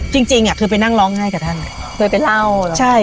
จริงจริงอ่ะคือไปนั่งร้องไห้กับท่านเคยไปเล่าเหรอใช่